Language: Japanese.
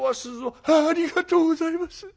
「ありがとうございます。